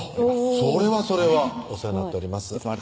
それはそれはお世話になっております